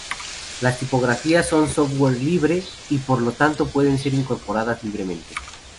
Las tipografías son software libre, y por lo tanto pueden ser incorporadas libremente.